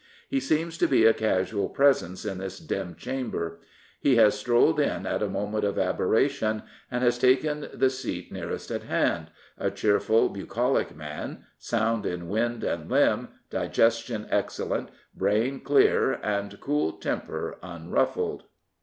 He seems to be a casual presence in this dim chamber. He has strolled in in a moment of abe rr ation, and has taken the seat nearest at hand — a cheerful, bucolic man, sound in wind and limb, digestion excellent, brain clear and cool, temper unruffled.